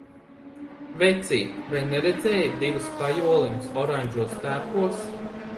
Vecīt, vai neredzēji divus pajoliņus oranžos tērpos?